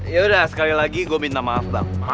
yaudah sekali lagi gue minta maaf bang